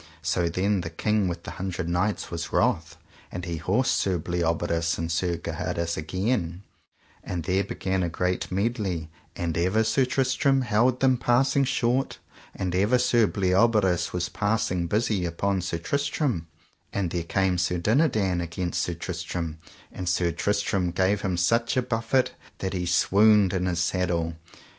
So then the King with the Hundred Knights was wroth, and he horsed Sir Bleoberis and Sir Gaheris again, and there began a great medley; and ever Sir Tristram held them passing short, and ever Sir Bleoberis was passing busy upon Sir Tristram; and there came Sir Dinadan against Sir Tristram, and Sir Tristram gave him such a buffet that he swooned in his saddle.